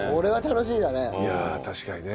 いや確かにね。